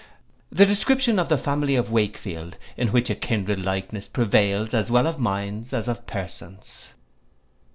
The description of the family of Wakefield; in which a kindred likeness prevails as well of minds as of persons.